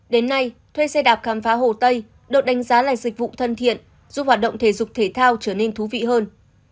đến nay thuê xe đạp khám phá hồ tây được đánh giá là dịch vụ thân thiện giúp hoạt động thể dục thể thao trở nên thú vị hơn